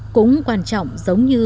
cúng quan trọng giống như